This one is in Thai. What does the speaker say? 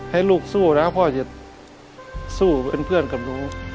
ให้ลูกสู้นะพ่อจะสู้เป็นเพื่อนกับหนู